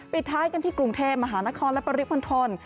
ปิดท้ายกันที่กรุงเทพมหานครและปริมณฑล